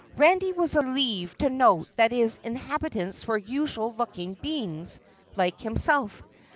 Randy was relieved to note that its inhabitants were usual looking beings like himself.